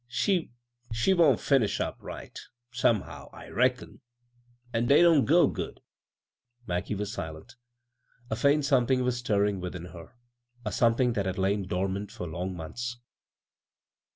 " She wa'n't finished up right, somehow, I reckon, an' dey don't go good." Maggie was silent A faint something was stirring within her — a something that had Iain dormant for long months.